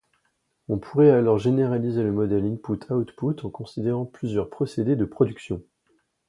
On pourrait alors généraliser le modèle input-output en considérant plusieurs procédés de production.